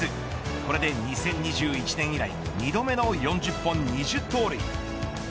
これで２０２１年以来２度目の４０本、２０盗塁。